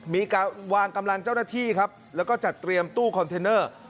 มีการวางกำลังเจ้าหน้าที่ครับแล้วก็จัดเตรียมตู้คอนเทนเนอร์